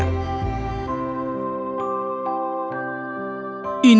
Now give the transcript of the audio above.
kau bisa tinggal di sini selama musim dingin